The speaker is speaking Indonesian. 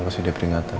kasih dia peringatan